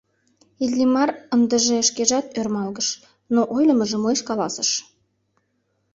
Иллимар ындыже шкежат ӧрмалгыш, но ойлымыжым уэш каласыш.